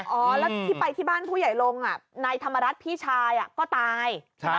อ๋อแล้วที่ไปที่บ้านผู้ใหญ่ลงนายธรรมรัฐพี่ชายก็ตาย